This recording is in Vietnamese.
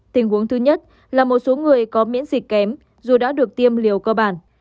tình huống thứ nhất là một số người có miễn dịch kém dù đã được tiêm liều cơ bản